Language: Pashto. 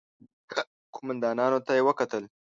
قوماندانانو ته يې وکتل.